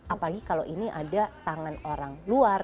apalagi kalau ini ada tangan orang luar